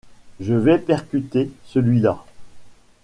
Je vais percuter celui-là.